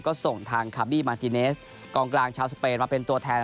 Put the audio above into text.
ก็ส่งทางคาร์บี้มาติเนสกองกลางชาวสเปนมาเป็นตัวแทน